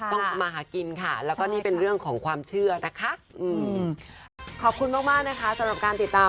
ต้องมาหากินค่ะแล้วก็นี่เป็นเรื่องของความเชื่อนะคะ